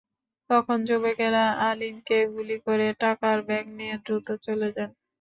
তখন যুবকেরা আলীমকে গুলি করে টাকার ব্যাগ নিয়ে দ্রুত চলে যান।